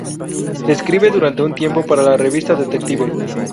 Escribe durante un tiempo para la revista "Detective".